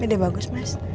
ya deh bagus mas